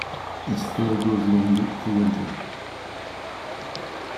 Its fur grows longer for winter.